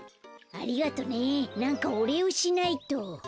ありがとねなんかおれいをしないと。